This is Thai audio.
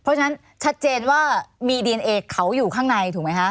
เพราะฉะนั้นชัดเจนว่ามีดีเอนเอเขาอยู่ข้างในถูกไหมคะ